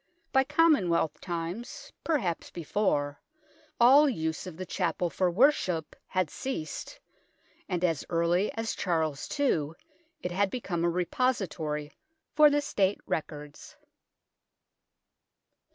By Common wealth times, perhaps before, all use of the Chapel for worship had ceased, and as early as Charles II it had become a repository for the State records.